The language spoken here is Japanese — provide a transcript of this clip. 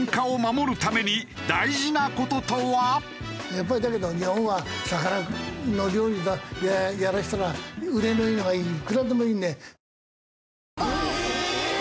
やっぱりだけど日本は魚の料理やらせたら腕のいいのがいくらでもいるね。